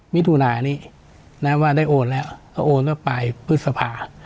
วิธุนายนี้นะครับว่าได้โอนแล้วก็โอนกับปลายพฤษภา